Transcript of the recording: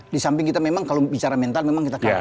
di samping kita memang kalau bicara mental memang kita kalah